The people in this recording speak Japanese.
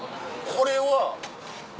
これは。